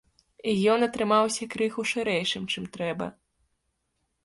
Ён атрымаўся крыху шырэйшым, чым трэба.